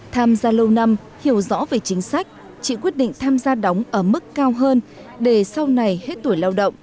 tham gia lâu năm hiểu rõ về chính sách chị quyết định tham gia đóng ở mức cao hơn để sau này hết tuổi lao động